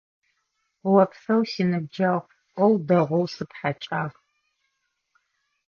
Опсэу, си ныбджэгъу, Ӏоу дэгъоу сыпхьэкӀагъ.